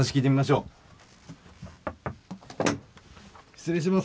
失礼します。